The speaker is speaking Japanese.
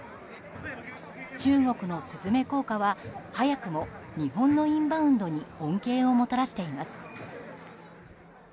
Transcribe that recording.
中国の「すずめ」効果は早くも日本のインバウンドに恩恵をもたらしています。